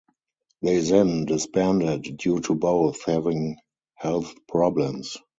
They then disbanded due to both having health problems.